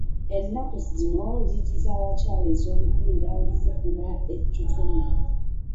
Ennaku zino liigi z'abakyala ez'omupiira zifuna ettutumu.